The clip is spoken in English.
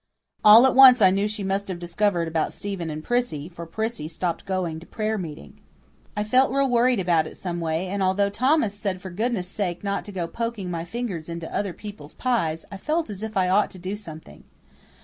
All at once I knew she must have discovered about Stephen and Prissy, for Prissy stopped going to prayer meeting. I felt real worried about it, someway, and although Thomas said for goodness' sake not to go poking my fingers into other people's pies, I felt as if I ought to do something.